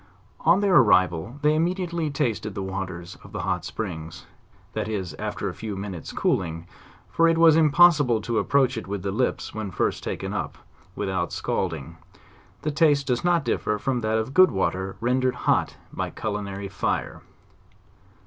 On their arrival they immediately tasted the waters of the hot springs, that is, after a few minutes' cooling, for it was impossible to approach it with the lips when first taken up, without scalding: the taste does not differ from that of good water rendered hot by culinary fire.